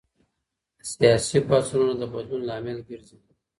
سياسي پاڅونونه د بدلون لامل ګرځي.